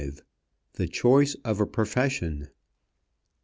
THE CHOICE OF A PROFESSION.